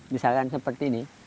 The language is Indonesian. misalkan seperti ini